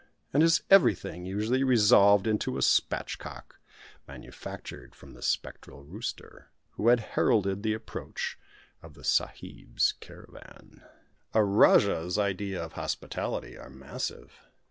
And his "everything" usually resolved itself into a "spatch cock," manufactured from the spectral rooster, who had heralded the approach of the sahib's caravan. A Rajah's ideas of hospitality are massive.